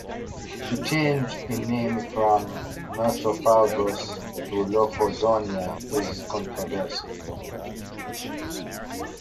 The change in name from "Nothofagus" to "Lophozonia" is controversial.